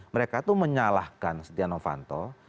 mereka itu menyalahkan setia novanto